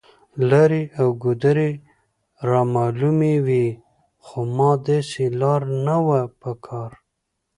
لارې او ګودرې رامعلومې وې، خو ما داسې لار نه وه په کار.